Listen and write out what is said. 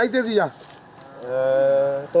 họ tên anh là gì